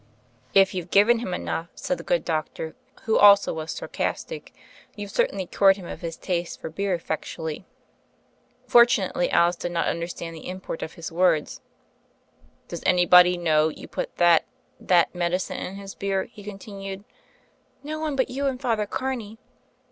"If youVe given him enough," said the good doctor, who also was sarcastic, "you've certainly cured him of his taste for beer effectually." Fortunately Alice did not understand the im port of his words. "Does anybody know you put that — that — medicine in his beer?" he continued. "No one, but you and Father Carney."